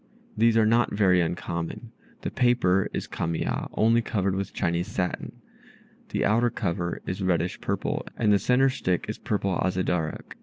These are not very uncommon. The paper is Kamiya, only covered with Chinese satin. The outer cover is reddish purple, and the centre stick is purple Azedarach.